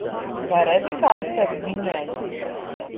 Vai redzi, kā es tevi vinnēju.